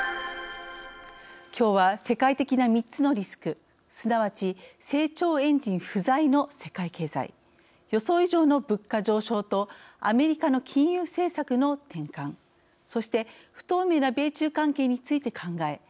きょうは世界的な３つのリスクすなわち成長エンジン不在の世界経済予想以上の物価上昇とアメリカの金融政策の転換そして不透明な米中関係について考え